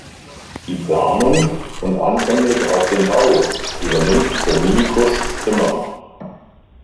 Die Planung und anfänglich auch den Bau übernimmt Dominikus Zimmermann.